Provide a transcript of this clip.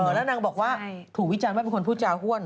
แล้วนางบอกว่าถูกวิจารณ์ว่าเป็นคนพูดจาห้วน